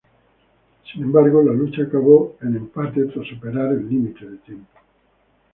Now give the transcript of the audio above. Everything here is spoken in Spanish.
Sin embargo, la lucha acabó en empate tras superar el límite de tiempo.